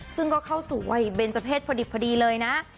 ซึ่งก็เข้าสู่วัยเบนเจอร์เศษพอดิบพอดีเลยนะ